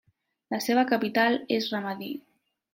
La seva capital és Ramadi.